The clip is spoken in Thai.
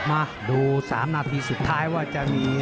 มาดู๓นาทีสุดท้ายว่าจะมี